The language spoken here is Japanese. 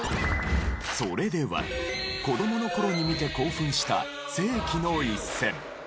それでは子どもの頃に見て興奮した世紀の一戦。